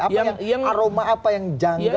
apa yang aroma apa yang janggal